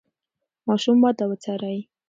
د ماشوم وده وڅارئ.